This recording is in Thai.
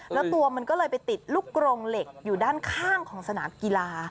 แล้วตัวมันก็เลยไปติดลูกกรงเหล็กอยู่ด้านข้างของสนามกีฬา